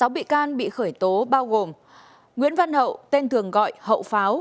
sáu bị can bị khởi tố bao gồm nguyễn văn hậu tên thường gọi hậu pháo